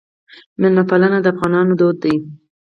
میلمه پالنه د افغانانو دود دی